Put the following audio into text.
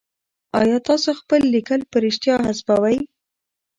آيا تاسي خپل ليکل په رښتيا حذفوئ ؟